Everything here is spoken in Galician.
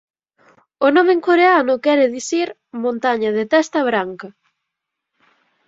O nome en coreano quere dicir "montaña de testa branca".